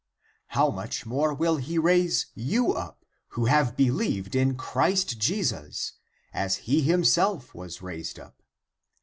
31. How much more will he raise you up, who have be lieved ^i in Christ Jesus,^^ as he himself was raised up.